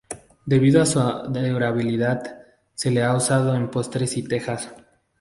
Debido a su durabilidad se le ha usado en postes y tejas.